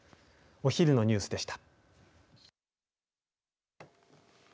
お昼のニュースでした。